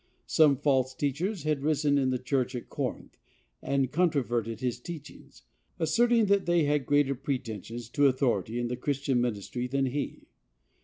Some false teachers had risen in the church at Corinth, and controverted his teachings, asserting that they had greater pretensions to authority in the Christian ministry than he.